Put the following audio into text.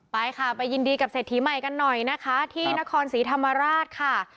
ไปค่ะไปยินดีกับเศรษฐีใหม่กันหน่อยนะคะที่นครศรีธรรมราชค่ะ